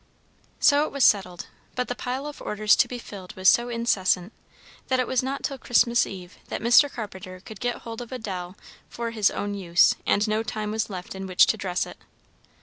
So it was settled, but the pile of orders to be filled was so incessant that it was not till Christmas Eve that Mr. Carpenter could get hold of a doll for his own use, and no time was left in which to dress it.